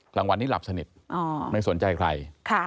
กลางวันนี้หลับสนิทไม่สนใจใคร